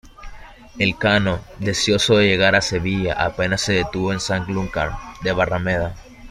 Elcano, deseoso de llegar a Sevilla, apenas se detuvo en Sanlúcar de Barrameda.